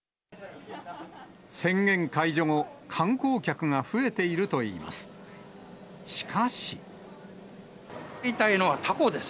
宣言解除後、観光客が増えているといいます。